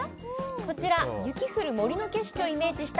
こちら雪降る森の景色をイメージした